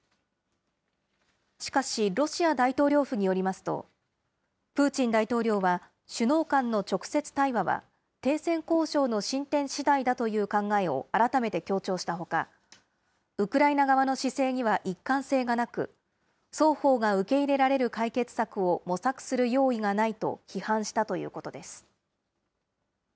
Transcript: しかしロシア大統領府によりますと、プーチン大統領は、首脳間の直接対話は、停戦交渉の進展しだいだという考えを改めて強調したほか、ウクライナ側の姿勢には一貫性がなく、双方が受け入れられる解決策を模索する用意がないと批判したということです。